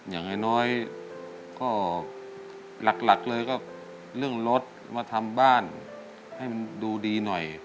อย่างน้อยก็หลักเลยก็เรื่องรถมาทำบ้านให้มันดูดีหน่อย